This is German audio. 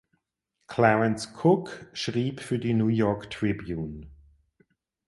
Clarence Cook schrieb für die New York Tribune.